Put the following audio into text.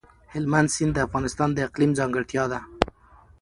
هلمند سیند د افغانستان د اقلیم ځانګړتیا ده.